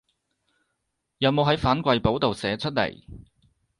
有冇喺反饋簿度寫出來